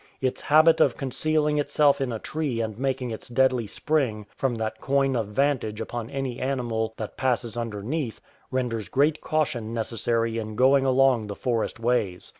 Its habit of concealing itself in a tree and making its deadly spring from that coign of vantage upon any animal that passes underneath renders great caution necessary in going along the forest ways.